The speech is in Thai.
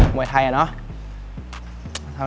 มวยไทยเนอะ